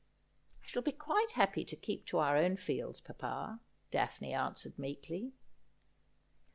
' I shall be quite happy to keep to our own fields, papa,' Daphne answered meekly.